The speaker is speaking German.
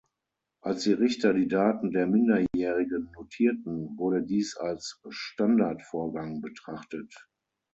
Als die Richter die Daten der Minderjährigen notierten, wurde dies als Standardvorgang betrachtet.